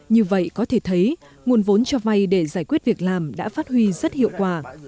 như vậy có thể thấy nguồn vốn cho vay để giải quyết việc làm đã phát huy rất hiệu quả